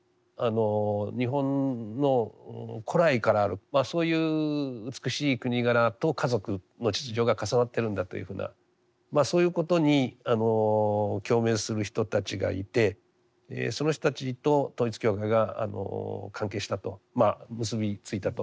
日本の古来からあるそういう美しい国柄と家族の秩序が重なってるんだというふうなそういうことに共鳴する人たちがいてその人たちと統一教会が関係したとまあ結び付いたと。